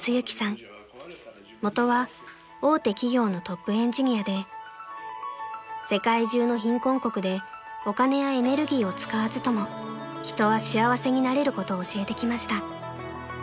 ［元は大手企業のトップエンジニアで世界中の貧困国でお金やエネルギーを使わずとも人は幸せになれることを教えてきました］